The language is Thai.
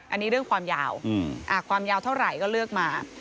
อันนี้เรื่องความยาวความยาวเท่าไหร่ก็เลือกมา